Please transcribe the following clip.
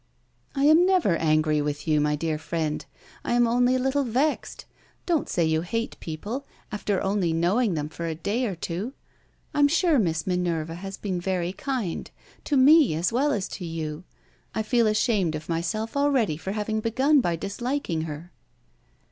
"I am never angry with you, my old friend; I am only a little vexed. Don't say you hate people, after only knowing them for a day or two! I am sure Miss Minerva has been very kind to me, as well as to you. I feel ashamed of myself already for having begun by disliking her."